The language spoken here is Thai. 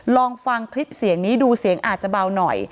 ลองฟังคลิปเสียงนี้ดูเสียงอาจจะเบาหน่อย